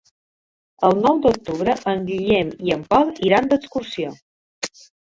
El nou d'octubre en Guillem i en Pol iran d'excursió.